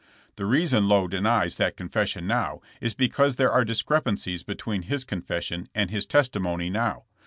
*'The reason Lowe denies that confession now is because there are discrepancies between his confes sion and his testimony now.